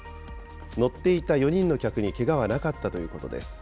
乗っていた４人の客にけがはなかったということです。